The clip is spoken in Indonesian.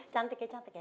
cantik ya cantik ya